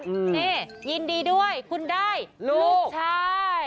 นี่ยินดีด้วยคุณได้ลูกชาย